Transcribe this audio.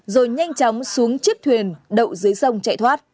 rồi nhanh chóng xuống chiếc thuyền đậu dưới sông chạy thoát